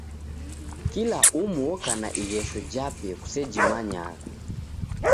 Kila umu oka na ighesho jape kusejimanyagha.